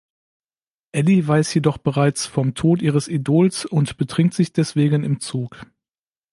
Ellie weiß jedoch bereits vom Tod ihres Idols und betrinkt sich deswegen im Zug.